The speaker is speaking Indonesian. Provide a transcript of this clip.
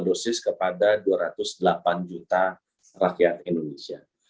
dosis kepada dua ratus delapan juta rakyat indonesia